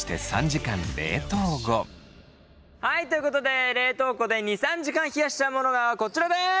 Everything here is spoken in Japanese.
はいということで冷凍庫で２３時間冷やしたものがこちらです。